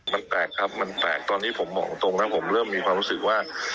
มันแปลกครับมันแปลกตอนนี้ผมบอกตรงนะผมเริ่มมีความรู้สึกว่า